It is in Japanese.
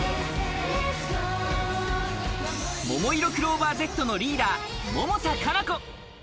ももいろクローバーＺのリーダー・百田夏菜子。